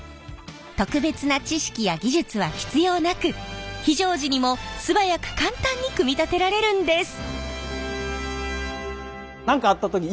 特別な知識や技術は必要なく非常時にも素早く簡単に組み立てられるんです。